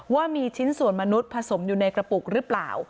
ว่ามีชิ้นส่วนมนุษย์ผสมอยู่ในกระปุกหรือเปล่า